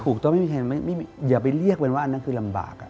ถูกต้องไม่มีทางไม่มีอย่าไปเรียกเป็นว่าอันนั้นคือลำบาก